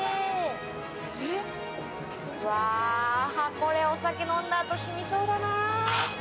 これ、お酒飲んだ後、染みそうだな。